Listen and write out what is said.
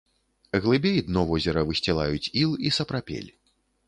Глыбей дно возера высцілаюць іл і сапрапель.